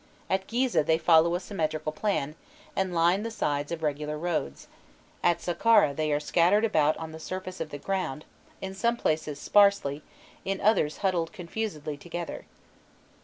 At Gîzeh they follow a symmetrical plan, and line the sides of regular roads; at Saqqâra they are scattered about on the surface of the ground, in some places sparsely, in others huddled confusedly together.